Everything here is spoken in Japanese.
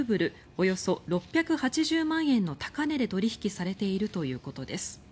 およそ６８０万円の高値で取引されているということです。